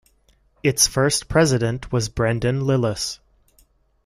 Its first President was Brendan Lillis.